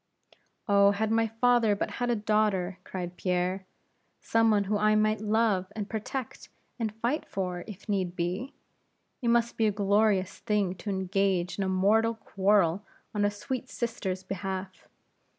"Oh, had my father but had a daughter!" cried Pierre; "some one whom I might love, and protect, and fight for, if need be. It must be a glorious thing to engage in a mortal quarrel on a sweet sister's behalf!